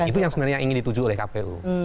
itu yang sebenarnya ingin dituju oleh kpu